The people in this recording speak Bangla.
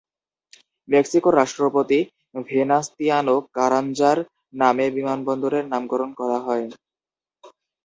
মেক্সিকোর রাষ্ট্রপতি ভেনাসতিয়ানো কারাঞ্জা'র নামে বিমানবন্দরের নামকরণ করা হয়।